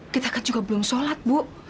kita kan juga belum sholat bu